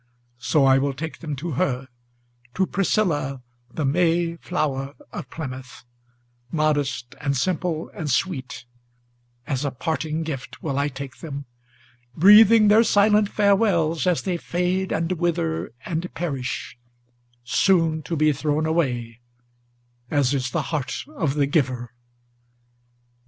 So I will take them to her; to Priscilla the May flower of Plymouth, Modest and simple and sweet, as a parting gift will I take them; Breathing their silent farewells, as they fade and wither and perish, Soon to be thrown away as is the heart of the giver."